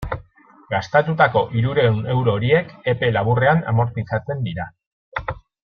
Gastatutako hirurehun euro horiek epe laburrean amortizatzen dira.